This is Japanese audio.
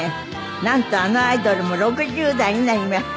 なんとあのアイドルも６０代になりました。